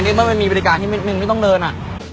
เหมือนมีบริการที่มีคนไม่ต้องเดิน